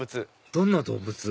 どんな動物？